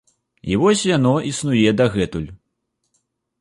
І вось яно існуе дагэтуль.